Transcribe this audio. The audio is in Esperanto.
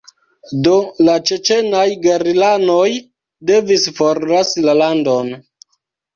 Do la ĉeĉenaj gerilanoj devis forlasi la landon.